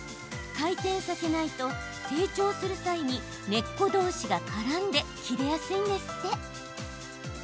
回転させないと、成長する際に根っこどうしが絡んで切れやすいんですって。